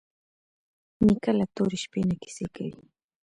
نیکه له تورې شپې نه کیسې کوي.